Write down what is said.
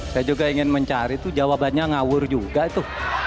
saya juga ingin mencari itu jawabannya ngawur juga itu